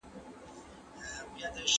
سياست پوهان د ټولنې لپاره پرېکړې نيسي.